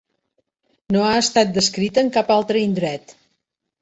No ha estat descrita en cap altre indret.